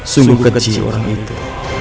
sungguh keji orang itu